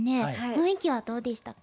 雰囲気はどうでしたか？